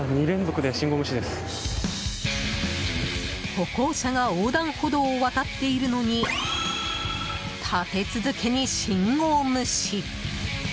歩行者が横断歩道を渡っているのに立て続けに信号無視。